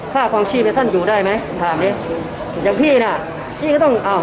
ค่าความชีพท่านอยู่ได้ไหมถามนี้อย่างพี่น่ะนี่ก็ต้องอ้าว